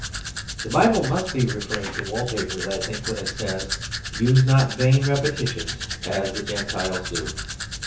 The Bible must be referring to wallpapers, I think, when it says, "Use not vain repetitions, as the Gentiles do."